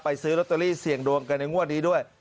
ซื้อลอตเตอรี่เสี่ยงดวงกันในงวดนี้ด้วย